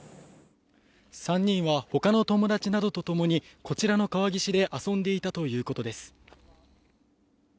３人はほかの友達などと共に、こちらの川岸で遊んでいたということです。